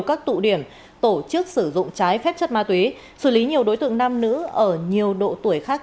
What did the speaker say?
các tụ điểm tổ chức sử dụng trái phép chất ma túy xử lý nhiều đối tượng nam nữ ở nhiều độ tuổi khác